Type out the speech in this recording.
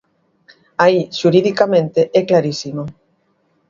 Aí xuridicamente é clarísimo.